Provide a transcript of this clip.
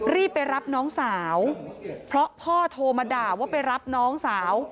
รีบไปรับน้องสาวเพราะพ่อโทรมาด่าว่าไปรับน้องสาว